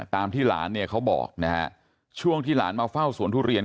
ตามที่หลานเนี่ยเขาบอกนะฮะช่วงที่หลานมาเฝ้าสวนทุเรียน